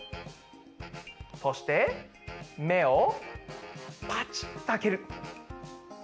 そしてめをパチッとあける。